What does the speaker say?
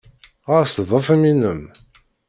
Ɣas ḍḍef imi-nnem.